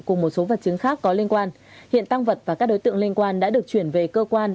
cùng một số vật chứng khác có liên quan hiện tăng vật và các đối tượng liên quan đã được chuyển về cơ quan